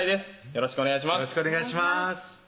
よろしくお願いします